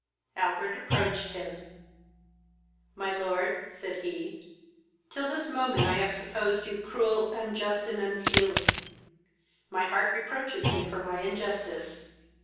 Albert approached him: "My lord, (said he,) till this moment I have supposed you cruel, unjust, and unfeeling: my heart reproaches me for my injustice.